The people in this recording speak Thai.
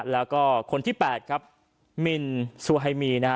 แล้วก็คนที่๘ครับมินซูไฮมีนะฮะ